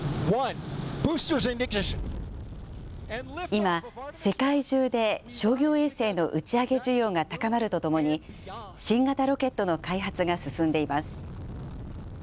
今、世界中で商業衛星の打ち上げ需要が高まるとともに、新型ロケットの開発が進んでいます。